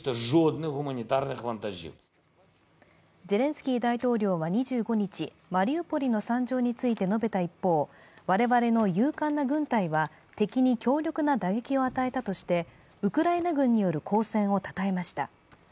ゼレンスキー大統領は２５日、マリウポリの惨状について述べた一方、我々の勇敢な軍隊は、敵に強力な打撃を与えたとして、ウクライナ軍による抗戦をたたえました。